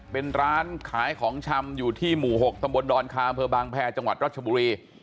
เป็นร้านขายของชำอยู่ที่หมู่หกสมบนดรคาเมืองบางแพร่จังหวัดรัชบุรี